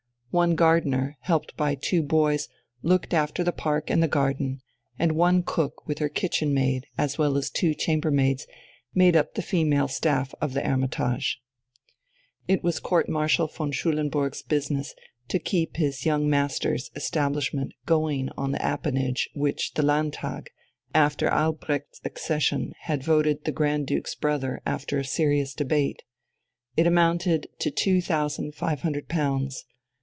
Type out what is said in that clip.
One gardener, helped by two boys, looked after the park and the garden; and one cook with her kitchen maid, as well as two chambermaids, made up the female staff of the "Hermitage." It was Court Marshal von Schulenburg's business to keep his young master's establishment going on the apanage which the Landtag, after Albrecht's accession, had voted the Grand Duke's brother after a serious debate. It amounted to two thousand five hundred pounds.